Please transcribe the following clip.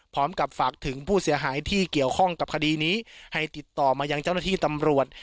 ฝากถึงผู้เสียหายที่เกี่ยวข้องกับคดีนี้ให้ติดต่อมายังเจ้าหน้าที่ตำรวจ